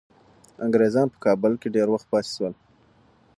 انګریزان په کابل کي ډیر وخت پاتې شول.